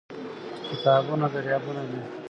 کتابونه دريابونه دي